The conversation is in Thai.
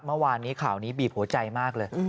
เมื่อวานนี้ข่าวนี้บีบหัวใจมากเลย